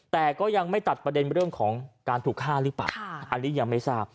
แต่ก็ยังไม่ตัดประเด็นเรื่องของการถูกฆ่าหรือเปล่าอันนี้ยังไม่ทราบ